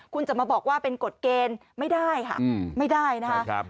คุณจะมาบอกว่าเป็นกฎเกณฑ์ไม่ได้ค่ะไม่ได้นะคะ